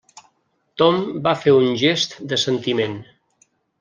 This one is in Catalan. Tom va fer un gest d'assentiment.